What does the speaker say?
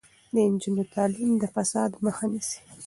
د نجونو تعلیم د فساد مخه نیسي.